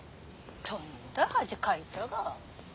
とんだ恥かいたが。